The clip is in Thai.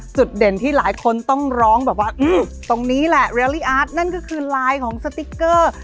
จุดเด่นที่หลายคนต้องร้องแบบว่าตรงนี้แหละนั่นก็คือลายของสติ๊กเกอร์